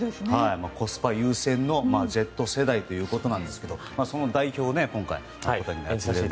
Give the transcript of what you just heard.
コスパ優先のＺ世代ということなんですがその代表を小瀧君が今回、やることになって。